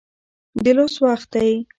د لوست وخت دی